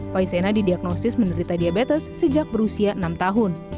faizena didiagnosis menderita diabetes sejak berusia enam tahun